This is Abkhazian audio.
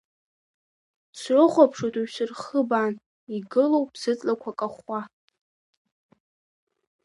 Срыхәаԥшуеит уажә сырхыбаан, игылоуп сыҵлақәа кахәхәа.